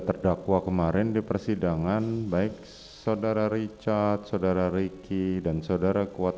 terdakwa kemarin di persidangan baik saudara richard saudara ricky dan saudara kuat